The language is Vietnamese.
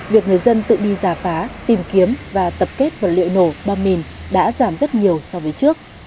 việc người dân tự đi giả phá tìm kiếm và tập kết vật liệu nổ bom mìn đã giảm rất nhiều so với trước